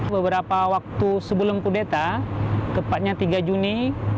beberapa waktu sebelum kudeta tepatnya tiga juni dua ribu enam belas